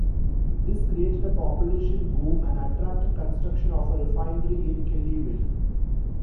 This created a population boom and attracted construction of a refinery in Kellyville.